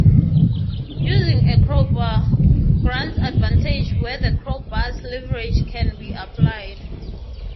Using a crowbar grants advantage where the crowbar’s leverage can be applied.